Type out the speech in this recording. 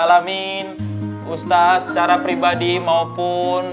alamin ustadz secara pribadi maupun